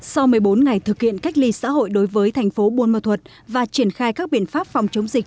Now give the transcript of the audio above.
sau một mươi bốn ngày thực hiện cách ly xã hội đối với thành phố buôn ma thuật và triển khai các biện pháp phòng chống dịch